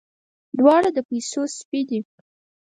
دواړه د پيسو سپي دي.